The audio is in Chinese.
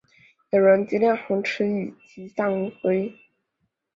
友人洪亮吉持其丧以归。